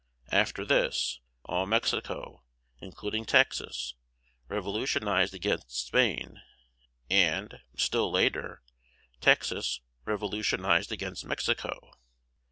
After this, all Mexico, including Texas, revolutionized against Spain; and, still later, Texas revolutionized against Mexico.